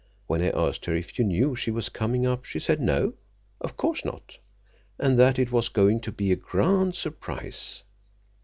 When I asked her if you knew she was coming up, she said no, of course not, and that it was going to be a grand surprise.